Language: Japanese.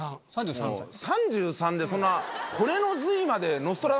３３でそんな。